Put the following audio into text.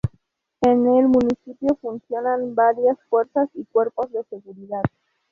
En el municipio funcionan varias fuerzas y cuerpos de seguridad.